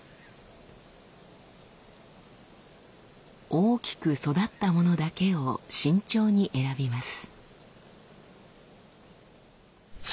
大きく育ったものだけを慎重に選びます。